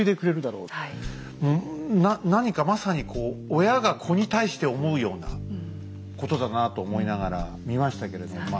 うん何かまさにこう親が子に対して思うようなことだなと思いながら見ましたけれどまあ